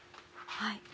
はい。